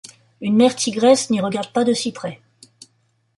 Une mère tigresse n’y regarde pas de si près.